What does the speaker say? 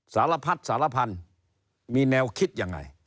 สารพัดสารพันธุ์มีแนวคิดยังไง